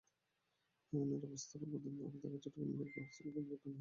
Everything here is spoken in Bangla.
মামুনের অবস্থার অবনতি হলে তাঁকে চট্টগ্রাম মেডিকেল কলেজ হাসপাতালে পাঠানো হয়।